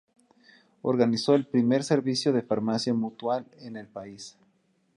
Organizó el primer servicio de farmacia mutual en el país.